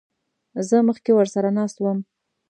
زه مخکې ورسره ناست وم.